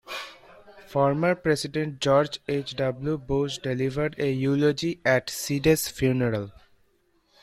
Former president George H. W. Bush delivered a eulogy at Sidey's funeral.